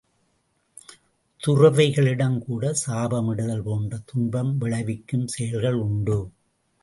துறவிகளிடம்கூட சாபமிடுதல் போன்ற துன்பம் விளைவிக்கும் செயல்கள் உண்டு.